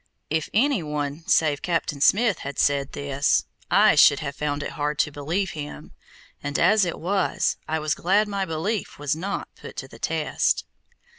If any one save Captain Smith had said this, I should have found it hard to believe him, and as it was I was glad my belief was not put to the test.